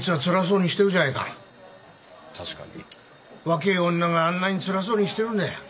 若え女があんなにつらそうにしてるんだよ。